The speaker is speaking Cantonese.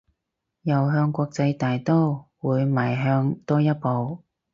又向國際大刀會邁向多一步